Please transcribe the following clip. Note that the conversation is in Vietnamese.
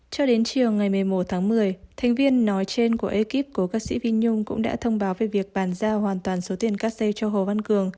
cho đến chiều ngày một mươi một tháng một mươi thành viên nói trên của ekip của ca sĩ phi nhung cũng đã thông báo về việc bàn giao hoàn toàn số tiền cắt xe cho hồ văn cường